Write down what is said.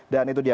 dan itu dia